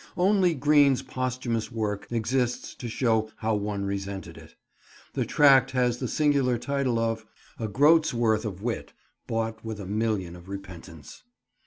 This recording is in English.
Only Greene's posthumous work exists to show how one resented it. The tract has the singular title of "A Groats Worth of Wit bought with a Million of Repentance."